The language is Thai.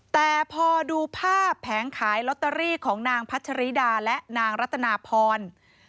แต่พอดูภาพแผงขายลอตเตอรี่ของนางพัชริดาและนางรัตนาพร